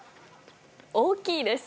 大きいです。